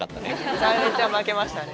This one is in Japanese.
めちゃめちゃ負けましたね。